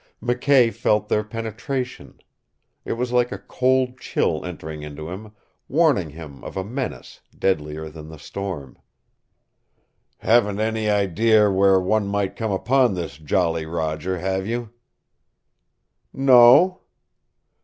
McKay felt their penetration. It was like a cold chill entering into him, warning him of a menace deadlier than the storm. "Haven't any idea where one might come upon this Jolly Roger, have you?" "No."